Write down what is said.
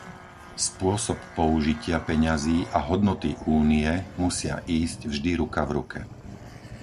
Spôsob použitia peňazí a hodnoty Únie musia ísť vždy ruka v ruke.